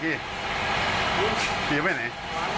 ปีบไว้ไปไหน